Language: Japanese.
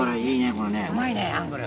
これねうまいねアングル。